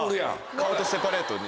顔とセパレートに。